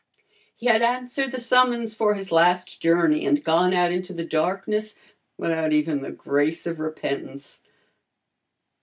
He had answered the summons for his last journey and gone out into the darkness without even the grace of repentance.